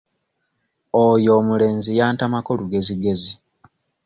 Oyo omulenzi yantamako lugezigezi.